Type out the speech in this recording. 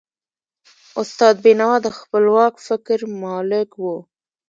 استاد بینوا د خپلواک فکر مالک و.